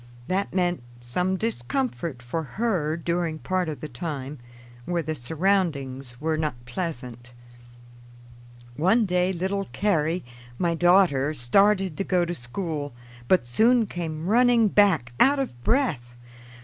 That meant some discomfort for her during part of the time, where the surroundings were not pleasant. One day little Carrie, my daughter, started to go to school, but soon came running back out of breath.